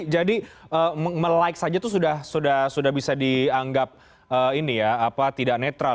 jadi melike saja itu sudah bisa dianggap tidak netral kan